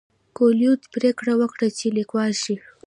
کویلیو پریکړه وکړه چې لیکوال شي.